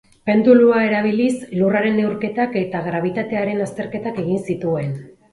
Pendulua erabiliz Lurraren neurketak eta grabitatearen azterketak egin zituen.